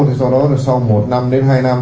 thì sau đó sau một năm đến hai năm